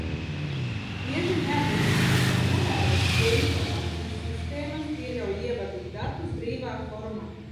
Bieži neatbilstības var novērot, ja informācijas sistēmas pieļauj ievadīt datus brīvā formā.